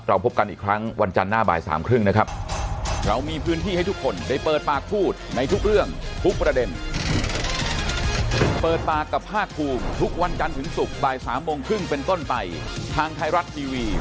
พบกันอีกครั้งวันจันทร์หน้าบ่ายสามครึ่งนะครับ